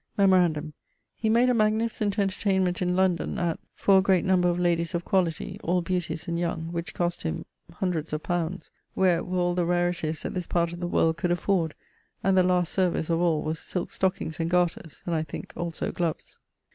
Memorandum: he made a magnificent entertainment in London, at ..., for a great number of ladies of quality, all beauties and young, which cost him ... hundreds of poundes, where were all the rarities that this part of the world could afford, and the last service of all was silke stockings and garters, and I thinke also gloves.